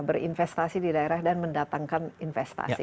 berinvestasi di daerah dan mendatangkan investasi